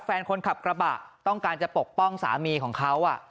แฟนคลับกระบะต้องการจะปกป้องสามีของเขา